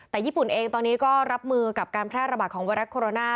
แต่ญี่ปุ่นเองตอนนี้ก็รับมือกับการแพร่ระบาดของไวรัสโคโรนา